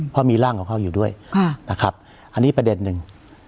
เพราะมีร่างของเขาอยู่ด้วยนะครับอันนี้ประเด็นหนึ่ง